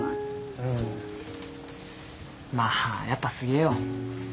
うんまあやっぱすげえよ。